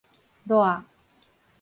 捋